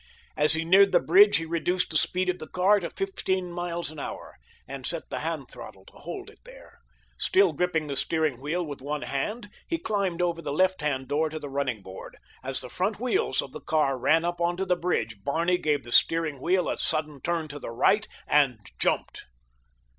As he neared the bridge he reduced the speed of the car to fifteen miles an hour, and set the hand throttle to hold it there. Still gripping the steering wheel with one hand, he climbed over the left hand door to the running board. As the front wheels of the car ran up onto the bridge Barney gave the steering wheel a sudden turn to the right, and jumped.